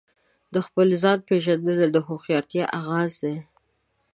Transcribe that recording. د خپل ځان پیژندنه د هوښیارتیا آغاز دی.